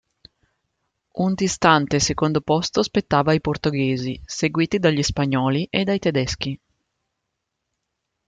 Un distante secondo posto spettava ai portoghesi, seguiti dagli spagnoli e dai tedeschi.